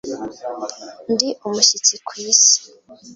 Ndi umushyitsi ku isi